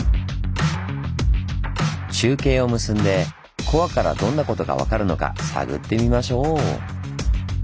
中継を結んでコアからどんなことが分かるのか探ってみましょう！